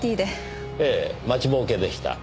ええ待ちぼうけでした。